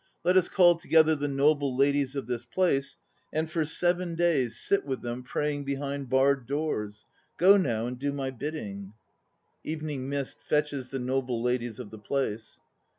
Let us call together the noble ladies of this place and for seven days sit with them praying behind barred doors. Go now and do my bidding. (EVENING MIST fetches the NOBLE LADIES of the place).